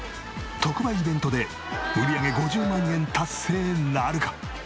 特売イベントで売り上げ５０万円達成なるか？